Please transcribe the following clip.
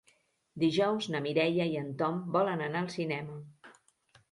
Dijous na Mireia i en Tom volen anar al cinema.